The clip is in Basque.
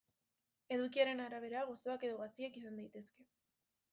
Edukiaren arabera gozoak edo gaziak izan daitezke.